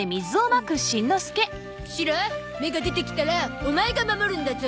シロ芽が出てきたらオマエが守るんだゾ。